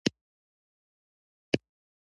چې دا بوی به په دې ولې بد لګېږي حیرانه وه.